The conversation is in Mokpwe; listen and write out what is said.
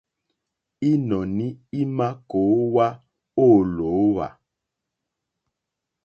Ínɔ̀ní ímà kòówá ô lǒhwà.